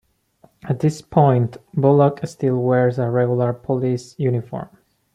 At this point, Bullock still wears a regular police uniform.